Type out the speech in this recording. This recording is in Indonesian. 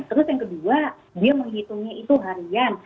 terus yang kedua dia menghitungnya itu harian